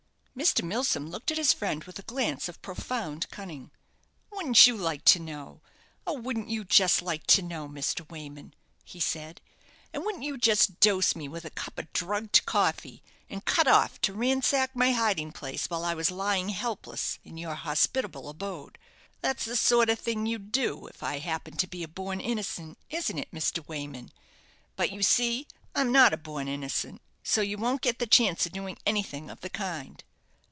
Mr. Milsom looked at his friend with a glance of profound cunning. "Wouldn't you like to know oh, wouldn't you just like to know, Mr. Wayman?" he said. "And wouldn't you just dose me with a cup of drugged coffee, and cut off to ransack my hiding place while I was lying helpless in your hospitable abode. That's the sort of thing you'd do, if I happened to be a born innocent, isn't it, Mr. Wayman? But you see I'm not a born innocent, so you won't get the chance of doing anything of the kind."